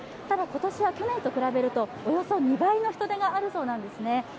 ただ、今年は去年と比べるとおよそ２倍の人出があるそうなんですね。